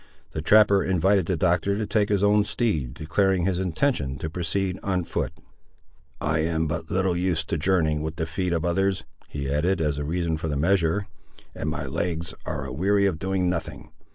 The trapper invited the Doctor to take his own steed, declaring his intention to proceed on foot. "I am but little used to journeying with the feet of others," he added, as a reason for the measure, "and my legs are a weary of doing nothing.